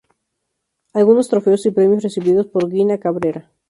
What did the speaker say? Algunos Trofeos y Premios recibidos por Gina Cabrera.